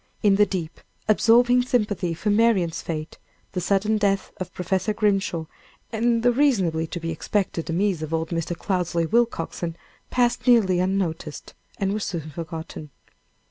In the deep, absorbing sympathy for Marian's fate, the sudden death of Professor Grimshaw, and the reasonably to be expected demise of old Mr. Cloudesley Willcoxen, passed nearly unnoticed, and were soon forgotten.